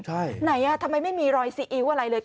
ใช่ไหนอ่ะทำไมไม่มีรอยซีอิ๊วอะไรเลย